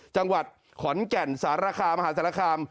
จังหวัดขอนแก่นสารคามหาสารคาม